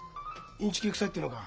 インチキくさいってのか？